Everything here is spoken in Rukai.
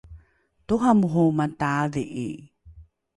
toramoro mataadhi’i